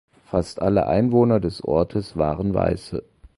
Fast alle Einwohner des Ortes waren Weiße.